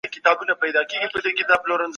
تعليم د ټولنې د پرمختګ ضامن دی.